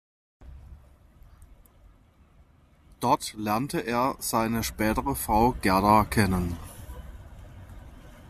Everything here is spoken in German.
Dort lernte er seine spätere Frau Gerda kennen.